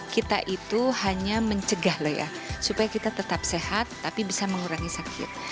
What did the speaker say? kita itu hanya mencegah loh ya supaya kita tetap sehat tapi bisa mengurangi sakit